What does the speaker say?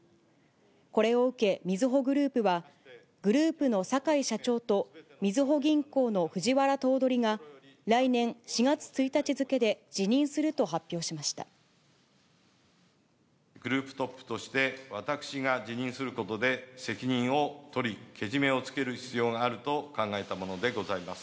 これを受け、みずほグループは、グループの坂井社長と、みずほ銀行の藤原頭取が、来年４月１日付で辞任すると発表しましグループトップとして、私が辞任することで責任を取り、けじめをつける必要があると考えたものでございます。